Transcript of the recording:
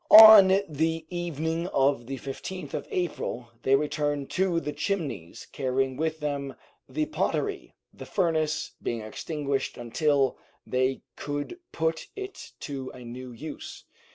On the evening of the 15th of April they returned to the Chimneys, carrying with them the pottery, the furnace being extinguished until they could put it to a new use.